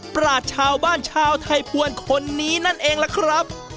ปราศชาวบ้านชาวไทยภวรคนนี้นั่นเองล่ะครับ